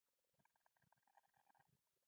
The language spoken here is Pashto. د غونډې فضا سخته عاطفي او احساساتي وه.